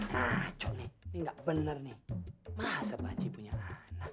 wah cok nih ini gak benar nih masa banci punya anak